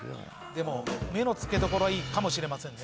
でも目のつけどころはいいかもしれませんね。